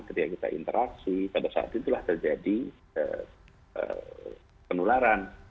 ketika kita interaksi pada saat itulah terjadi penularan